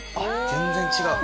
全然違う！